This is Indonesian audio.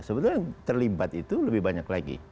sebetulnya yang terlibat itu lebih banyak lagi